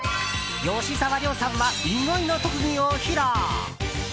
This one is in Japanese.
吉沢亮さんは意外な特技を披露。